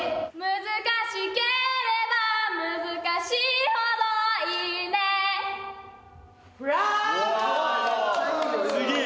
難しければ難しいほどいいねすげぇ！